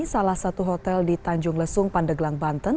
salah satu hotel di tanjung lesung pandeglang banten